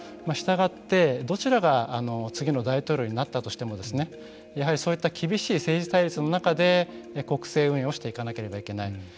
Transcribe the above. したがって、どちらが次の大統領になったとしてもやはりそういった厳しい政治対立の中で国政運営をしていかなければならない。